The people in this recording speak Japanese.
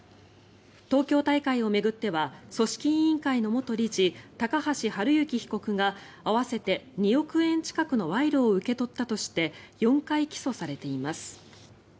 東京大会を巡っては組織委員会の元理事高橋治之被告が合わせて２億円近くの賄賂を受け取ったとして４回起訴されています。